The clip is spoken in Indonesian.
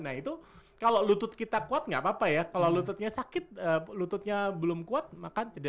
nah itu kalau lutut kita kuat gak apa apa ya kalau lututnya sakit lututnya belum kuat maka cedera